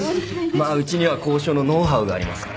まあうちには交渉のノウハウがありますから。